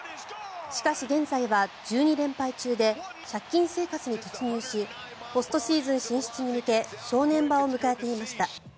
しかし、現在は１２連敗中で借金生活に突入しポストシーズン進出に向け正念場を迎えていました。